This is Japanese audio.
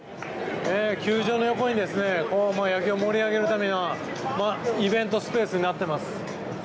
球場の横に野球を盛り上がるためのイベントスペースになっています。